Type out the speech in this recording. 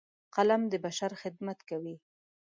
قلم د بشر خدمت کوي